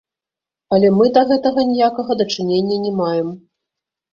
Але мы да гэтага ніякага дачынення не маем.